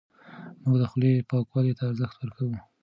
موږ د خولې پاکوالي ته ارزښت ورکوو.